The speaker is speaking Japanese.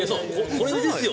これですよ。